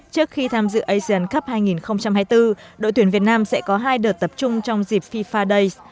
trước khi tham dự asean cup hai nghìn hai mươi bốn đội tuyển việt nam sẽ có hai đợt tập trung trong dịp fifa days